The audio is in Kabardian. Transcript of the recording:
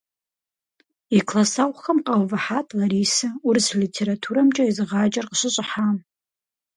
И классэгъухэм къаувыхьат Ларисэ, урыс литературэмкӀэ езыгъаджэр къыщыщӀыхьам.